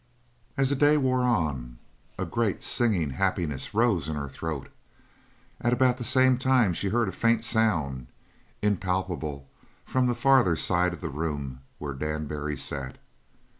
As the day wore on, a great, singing happiness rose in her throat, and at about the same time she heard a faint sound, impalpable, from the farther side of the room where Dan Barry sat.